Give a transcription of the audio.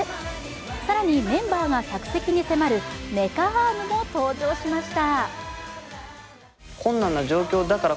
更にメンバーが客席に迫るメカアームも登場しました。